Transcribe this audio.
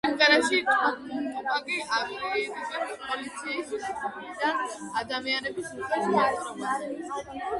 სიმღერაში ტუპაკი აკრიტიკებს პოლიციის მხრიდან ადამიანების უხეშ მოპყრობას.